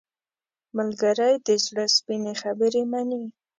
ملګری د زړه سپینې خبرې مني